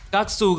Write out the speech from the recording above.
các su gà